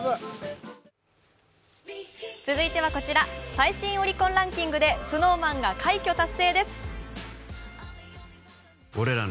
最新オリコンランキングでＳｎｏｗＭａｎが快挙達成です。